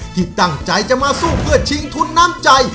ที่ตั้งใจจะมาสู้เพื่อชิงทุนน้ำใจ